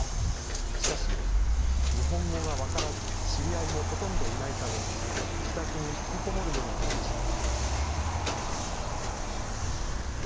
しかし、日本語が分からず、知り合いもほとんどいないため、自宅に引きこもるようになりました。